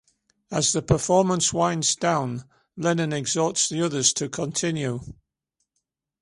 As the performance winds down, Lennon exhorts the others to continue.